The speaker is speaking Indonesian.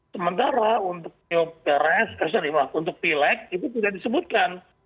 sementara untuk pilk itu tidak disebutkan